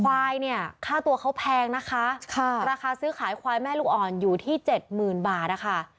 ควายเนี่ยค่าตัวเขาแพงนะคะราคาซื้อขายควายแม่ลูกอ่อนอยู่ที่เจ็ดหมื่นบาทนะคะ